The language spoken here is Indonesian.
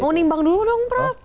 mau nimbang dulu dong prof